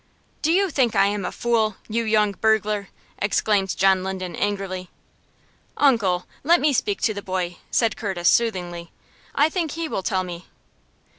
"Do you think I am a fool, you young burglar?" exclaimed John Linden, angrily. "Uncle, let me speak to the boy," said Curtis, soothingly. "I think he will tell me."